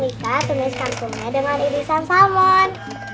temiskan kumenya dengan irisan salmon